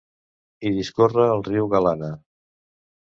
Hi discorre el Riu Galana.